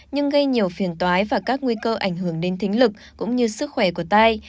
nhưng gây nhiều phiền toái và các nguy cơ ảnh hưởng đến thính lực cũng như sức khỏe của tai